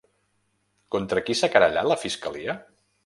Contra qui s'ha querellat la fiscalia?